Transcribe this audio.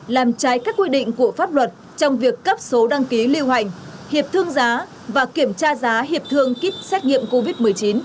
làm trái các quy định của pháp luật trong việc cấp số đăng ký lưu hành hiệp thương giá và kiểm tra giá hiệp thương kít xét nghiệm covid một mươi chín